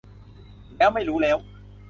แล้วไม่รู้แล้ว